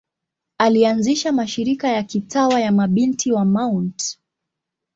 Alianzisha mashirika ya kitawa ya Mabinti wa Mt.